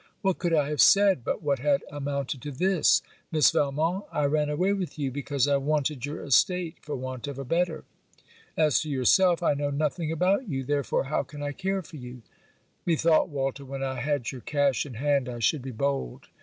What could I have said but what had amounted to this: 'Miss Valmont, I ran away with you, because I wanted your estate, for want of a better. As to yourself, I know nothing about you, therefore how can I care for you?' Methought, Walter, when I had your cash in hand I should be bold.